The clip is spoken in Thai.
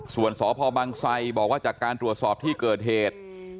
ส่วนสพบังไซบอกว่าจากการตรวจสอบที่เกิดเหตุ